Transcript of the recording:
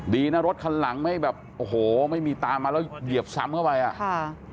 ดีนะรถคันหลังไม่แบบโอ้โหไม่มีตามมาแล้วเหยียบซ้ำเข้าไปอ่ะค่ะ